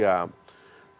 tentang keharusan indonesia